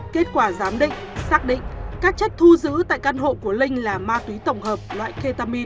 kết quả giám định xác định các chất thu giữ tại căn hộ của linh là ma túy tổng hợp loại ketamin